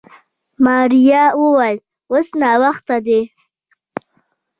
ماريا وويل اوس ناوخته دی.